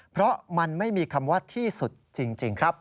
เพราะมันไม่มีคำว่าที่สุดจริงครับ